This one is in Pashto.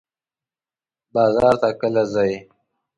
بازار ته کله ځئ؟